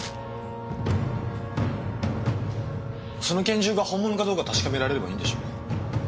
その拳銃が本物かどうか確かめられればいいんでしょ？